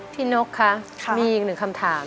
นกคะมีอีกหนึ่งคำถาม